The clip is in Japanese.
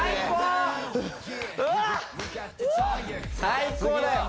最高だよ